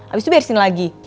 abis itu biar sini lagi